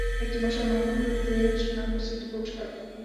একটি মশা নমরূদের নাকের ছিদ্রে প্রবেশ করে।